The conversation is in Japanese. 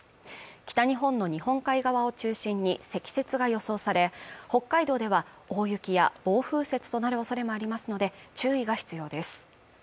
北日本の日本海側を中心に積雪が予想され北海道では大雪や暴風雪となるおそれもありますので注意が必要です